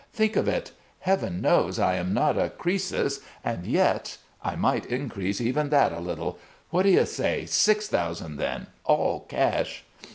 Think of it! Heaven knows I am not a Cr[oe]sus, and yet I might increase even that a little. What do you say? Six thousand, then, all cash?"